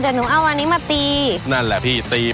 เดี๋ยวหนูเอาอันนี้มาตีนั่นแหละพี่ตี